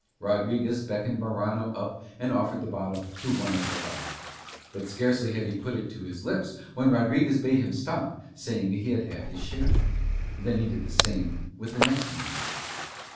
Rodriguez beckoned Morano up and offered the bottle to one of la Garda; but scarcely had he put it to his lips when Rodriguez bade him stop, saying that he had had his share. And he did the same with the next man.